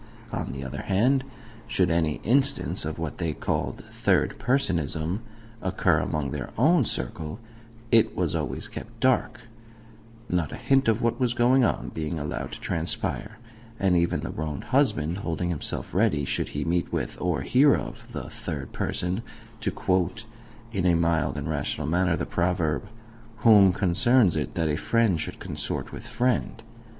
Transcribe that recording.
On the other hand, should any instance of what they called "third personism" occur among THEIR OWN circle, it was always kept dark not a hint of what was going on being allowed to transpire, and even the wronged husband holding himself ready, should he meet with, or hear of, the "third person," to quote, in a mild and rational manner, the proverb, "Whom concerns it that a friend should consort with friend?"